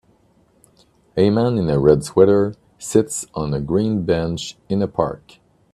A man in a red sweater sits on a green bench in a park.